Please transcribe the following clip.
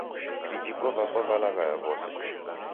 Vijiko vapo velaghaya vose